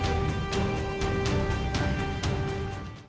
tham vọng quyền lực